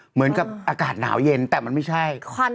เหมือนกับอากาศหนาวเย็นแต่มันไม่ใช่